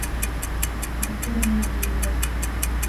ނުކުޅުނީ ކީއްވެ؟